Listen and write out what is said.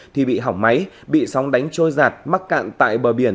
thì bị hỏng máy bị sóng đánh trôi giạt mắc cạn tại bờ biển